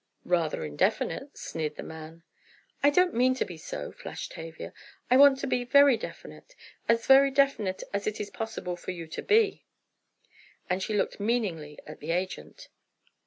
"Rather indefinite," sneered the man. "I don't mean to be so," flashed Tavia. "I want to be very definite—as very definite as it is possible for you to be," and she looked meaningly at the agent.